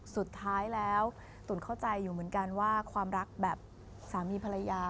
สุดท้ายแล้วตุ๋นเข้าใจอยู่เหมือนกันว่าความรักแบบสามีภรรยา